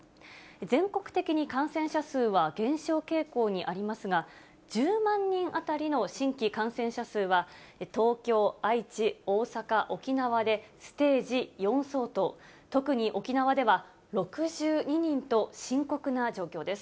全国的に感染者数は減少傾向にありますが、１０万人当たりの新規感染者数は、東京、愛知、大阪、沖縄でステージ４相当、特に沖縄では６２人と深刻な状況です。